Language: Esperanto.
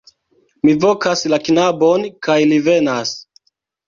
Mi vokas la knabon, kaj li venas.